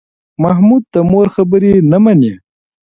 محمود د مور خبرې نه مني.